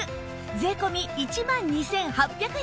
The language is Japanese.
税込１万２８００円